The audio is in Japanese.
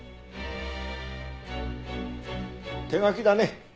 手書きだね。